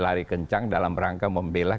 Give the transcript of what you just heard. lari kencang dalam rangka membela